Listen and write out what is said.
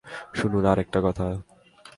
শুনুন, আরেকটা কথা।